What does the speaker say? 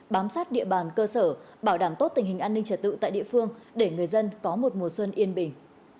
bám sát địa bàn cơ sở bảo đảm tốt tình hình an ninh trật tự tại địa phương để người dân có một mùa xuân yên bình